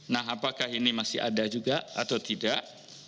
nah apakah ini masih ada juga atau tidak